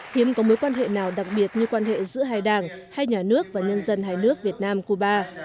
hiếm có mối quan hệ nào đặc biệt như quan hệ giữa hai đảng hai nhà nước và nhân dân hai nước việt nam cuba